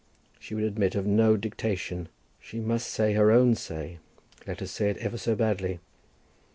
She would admit of no dictation. She must say her own say, let her say it ever so badly.